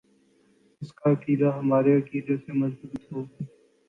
اس کا عقیدہ ہمارے عقیدے سے مضبوط ہو